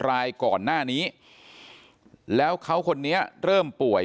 รายก่อนหน้านี้แล้วเขาคนนี้เริ่มป่วย